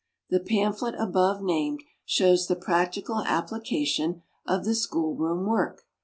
The pamphlet above named shows the practical application of the schoolroom work.